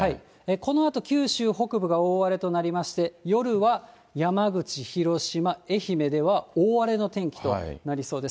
このあと九州北部が大荒れとなりまして、夜は山口、広島、愛媛では大荒れの天気となりそうです。